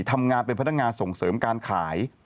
ทำงานเป็นพนักงานส่งเสริมการขาย